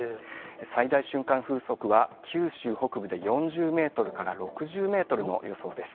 最大瞬間風速は、九州北部で４０メートルから６０メートルの予想です。